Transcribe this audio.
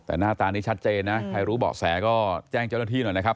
แต่หน้าตานี้ชัดเจนนะใครรู้เบาะแสก็แจ้งเจ้าหน้าที่หน่อยนะครับ